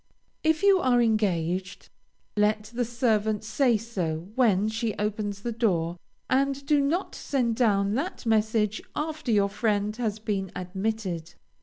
If you are engaged, let the servant say so when she opens the door, and do not send down that message after your friend has been admitted.